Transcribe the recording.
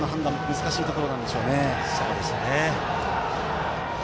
難しいところなんでしょうね。